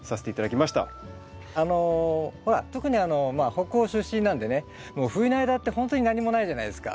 あのほら特に北欧出身なんでねもう冬の間ってほんとに何もないじゃないですか。